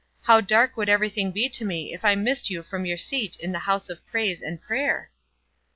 "How dark would everything be to me if I missed you from your seat in the house of praise and prayer!"